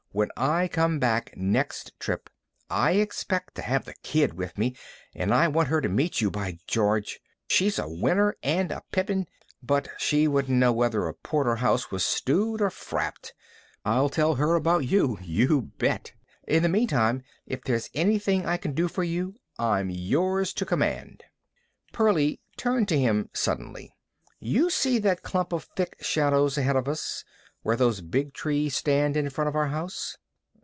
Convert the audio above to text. When I come back next trip, I expect to have the Kid with me, and I want her to meet you, by George! She's a winner and a pippin, but she wouldn't know whether a porterhouse was stewed or frapped. I'll tell her about you, you bet. In the meantime, if there's anything I can do for you, I'm yours to command." Pearlie turned to him suddenly. "You see that clump of thick shadows ahead of us, where those big trees stand in front of our house?"